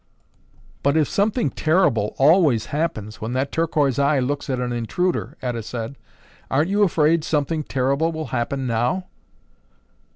"But if something terrible always happens when that turquoise eye looks at an intruder," Etta said, "aren't you afraid something terrible will happen now?"